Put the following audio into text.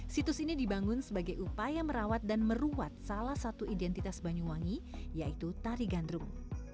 situs ini dibangun sebagai upaya merawat dan meruat salah satu identitas banyuwangi yaitu tari gandrung